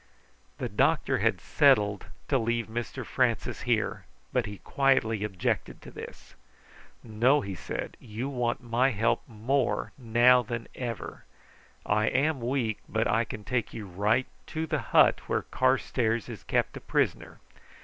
The doctor had settled to leave Mr Francis here, but he quietly objected to this. "No!" he said; "you want my help more now than ever. I am weak, but I can take you right to the hut where Carstairs is kept a prisoner.